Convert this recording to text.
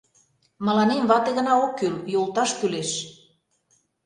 Мыланем вате гына ок кӱл, йолташ кӱлеш...